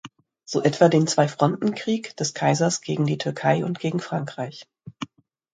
So etwa den Zweifrontenkrieg des Kaisers gegen die Türkei und gegen Frankreich.